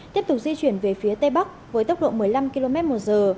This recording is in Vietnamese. tiếp tục di chuyển về phía tây bắc với tốc độ một mươi năm km một giờ